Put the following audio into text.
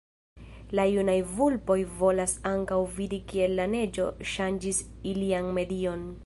La junaj vulpoj volas ankaŭ vidi kiel la neĝo ŝanĝis ilian medion.